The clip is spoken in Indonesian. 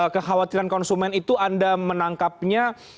kekhawatiran konsumen itu anda menangkapnya